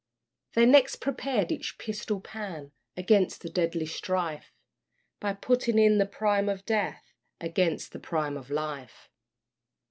They next prepared each pistol pan Against the deadly strife, By putting in the prime of death Against the prime of life.